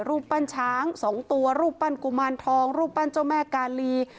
คุณปุ้ยอายุ๓๒นางความร้องไห้พูดคนเดี๋ยว